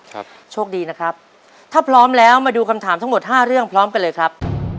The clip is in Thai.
โชคดีนะครับถ้าพร้อมแล้วมาดูคำถามทั้งหมดห้าเรื่องพร้อมกันเลยครับ